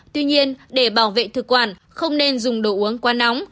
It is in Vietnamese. tuy nhiên để bảo vệ thực quản không nên dùng đồ uống quá nóng